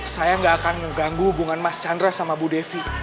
saya nggak akan mengganggu hubungan mas chandra sama bu devi